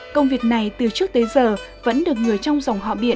công việc này từ trước tới giờ vẫn được người trong dòng họ biển